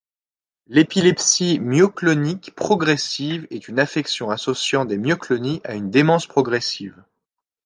L'épilepsie myoclonique progressive est une affection associant des myoclonies à une démence progressive.